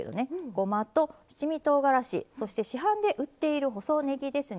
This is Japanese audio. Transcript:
ごまと七味とうがらしそして市販で売っている細ねぎですね。